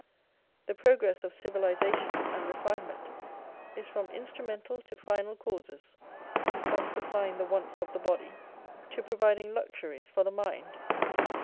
The progress of civilisation and refinement is from instrumental to final causes ; from sup plying the wants of the body to providing luxuries for the mind.